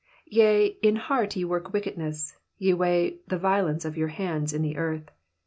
2 Yea, in heart ye work wickedness ; ye weigh the violence of your hands in the earth.